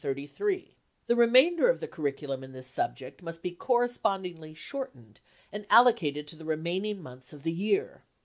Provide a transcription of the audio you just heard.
cc The remainder of the curriculum in this subject must be correspondingly shortened and allocated to the remain ing months of the year.